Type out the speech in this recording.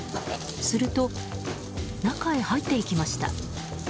すると、中へ入っていきました。